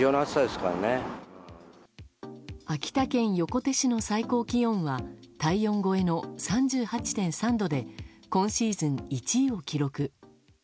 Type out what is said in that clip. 秋田県横手市の最高気温は体温超えの３８．３度で今シーズン１位を記録。